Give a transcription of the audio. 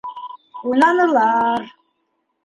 Уйнанылар.